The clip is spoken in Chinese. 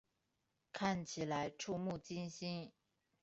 看起来怵目惊心